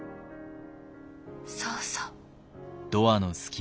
そうそう。